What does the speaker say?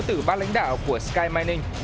từ bác lãnh đạo của sky mining